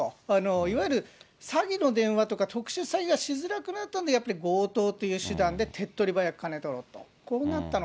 いわゆる詐欺の電話とか特殊詐欺がしづらくなったんで、やっぱり強盗っていう手段で手っ取り早く金を取ろうと。